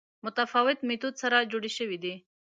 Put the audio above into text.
متفاوت میتود سره جوړې شوې دي